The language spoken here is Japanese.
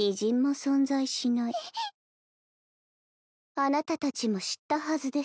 あなたたちも知ったはずです